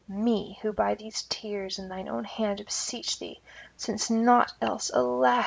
me who by these tears and thine own hand beseech thee, since naught else, alas!